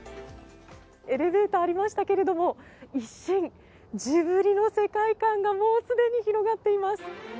エレベーターありましたけれども、一瞬、ジブリの世界観がもう広がっています。